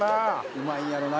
うまいんやろな